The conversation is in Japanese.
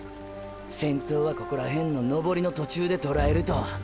先頭はここらへんの登りの途中でとらえると！！